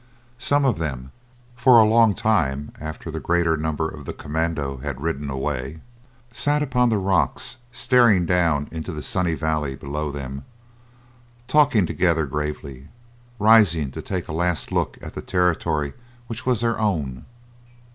Some of them, for a long time after the greater number of the commando had ridden away, sat upon the rocks staring down into the sunny valley below them, talking together gravely, rising to take a last look at the territory which was their own.